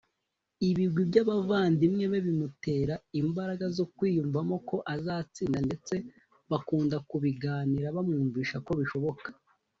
Ibigwi by’abavandimwe be bimutera imbaraga zo kwiyumvamo ko azatsinda ndetse bakunda kubiganira bamwumvisha ko bishoboka